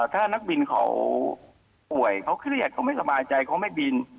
ถ้านักบินเขาป่วยเขาเครียดเขาไม่สบายใจเขาไม่บิน